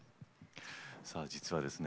さあ実はですね